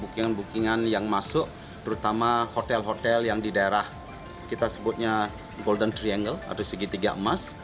booking bookingan yang masuk terutama hotel hotel yang di daerah kita sebutnya golden triangle atau segitiga emas